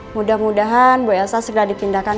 mudah mudahan bu elsa segera dipindahkan